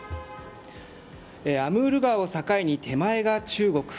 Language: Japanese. アムール川を境に手前が中国。